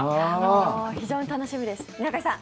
非常に楽しみです。